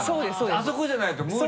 あそこじゃないと無理！